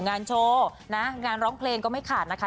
งานโชว์นะงานร้องเพลงก็ไม่ขาดนะคะ